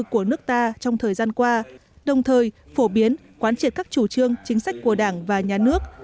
của nước ta trong thời gian qua đồng thời phổ biến quán triệt các chủ trương chính sách của đảng và nhà nước